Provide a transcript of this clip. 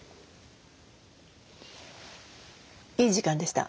いい時間でした。